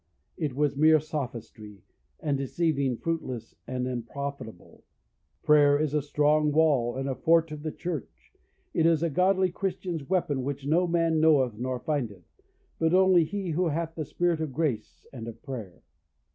It was mere sophistry, and deceiving, fruitless, and unprofitable. Prayer is a strong wall, and a fort of the church; it is a godly Christian's weapon, which no man knoweth nor findeth, but only he who hath the spirit of grace and of prayer.